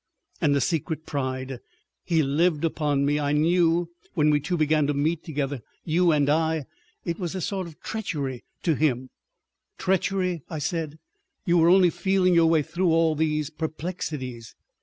And a secret pride. ... He lived upon me. I knew—when we two began to meet together, you and I——— It was a sort of treachery to him———" "Treachery!" I said. "You were only feeling your way through all these perplexities."